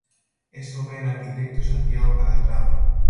Es obra del arquitecto Santiago Calatrava.